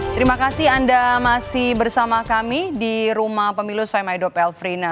terima kasih anda masih bersama kami di rumah pemilu saimaidop elfrina